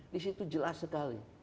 disitu jelas sekali